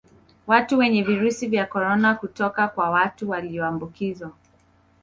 Watu wenye Virusi vya Corona kutoka kwa watu walioambukizwa